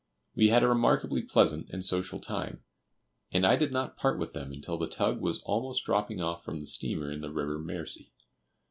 We had a remarkably pleasant and social time, and I did not part with them until the tug was almost dropping off from the steamer in the river Mersey.